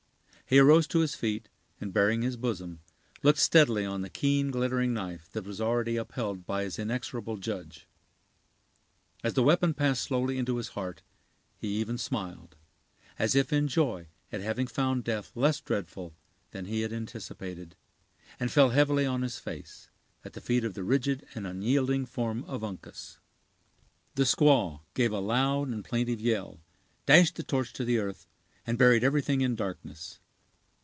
He arose to his feet, and baring his bosom, looked steadily on the keen, glittering knife, that was already upheld by his inexorable judge. As the weapon passed slowly into his heart he even smiled, as if in joy at having found death less dreadful than he had anticipated, and fell heavily on his face, at the feet of the rigid and unyielding form of Uncas. The squaw gave a loud and plaintive yell, dashed the torch to the earth, and buried everything in darkness.